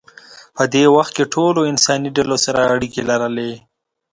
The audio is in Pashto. په دې وخت کې ټولو انساني ډلو سره اړیکې لرلې.